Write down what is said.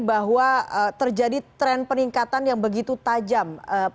bahwa terjadi tren peningkatan yang begitu tajam